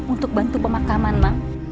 untuk bantu pemakaman mang